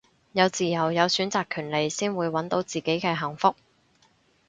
有自由有選擇權利先會搵到自己嘅幸福